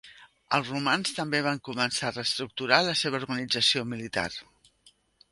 Els romans també van començar a reestructurar la seva organització militar.